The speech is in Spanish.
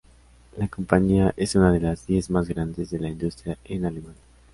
La compañía es una de las diez más grandes de la industria en Alemania.